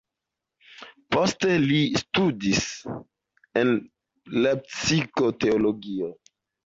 Poste li studis en Lepsiko teologion.